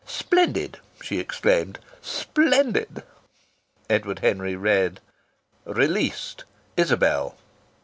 "Splendid!" she exclaimed. "Splendid!" Edward Henry read: "Released. Isabel."